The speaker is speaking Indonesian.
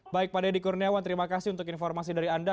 baik pak dedy kurniawan terima kasih untuk informasi dari anda